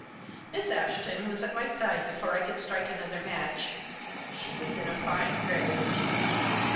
Miss Ashton was at my side before I could strike another match. She was in a fine rage.